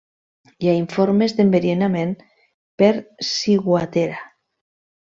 Hi ha informes d'enverinament per ciguatera.